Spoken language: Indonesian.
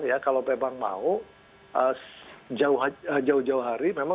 ya kalau memang mau jauh jauh hari memang